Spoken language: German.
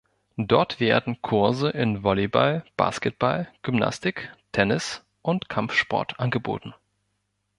Dort werden Kurse in Volleyball, Basketball, Gymnastik, Tennis und Kampfsport angeboten.